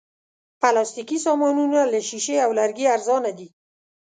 پلاستيکي سامانونه له شیشې او لرګي ارزانه دي.